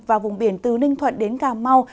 và vùng biển từ ninh thuận đến cà mau